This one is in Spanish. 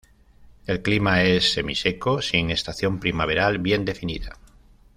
El clima es semiseco, sin estación primaveral bien definida.